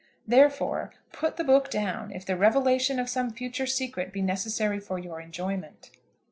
Therefore, put the book down if the revelation of some future secret be necessary for your enjoyment.